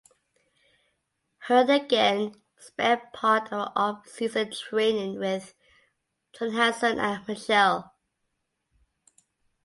Ihr again spent part of the offseason training with Johansson and Mitchell.